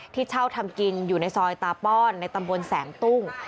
ที่เช่าทำกินอยู่ในซอยตาป้อนในตำบลแสงตุ้ง